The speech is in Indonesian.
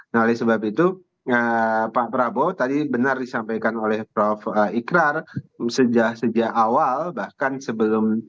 nah oleh sebab itu pak prabowo tadi benar disampaikan oleh prof ikrar sejak awal bahkan sebelum